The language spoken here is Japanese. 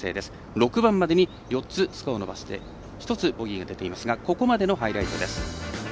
６番までに４つスコアを伸ばして１つボギーが出ていますがここまでのハイライトです。